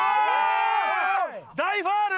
大ファウル！